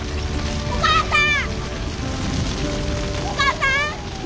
お母さん！